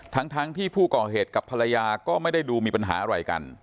ทั้งที่ผู้ก่อเหตุกับภรรยาก็ไม่ได้ดูมีปัญหาอะไรกัน